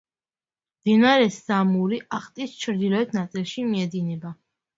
მდინარე სამური ახტის ჩრდილოეთ ნაწილში მიედინება.